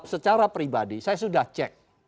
secara pribadi saya sudah cek